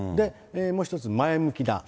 もう一つ、前向きだ。